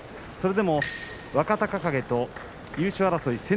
それでも若隆景と優勝争い